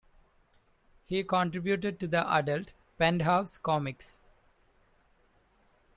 He contributed to the adult "Penthouse Comix".